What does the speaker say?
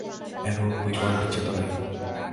Aaron, উইবলটা চেতনাহীন।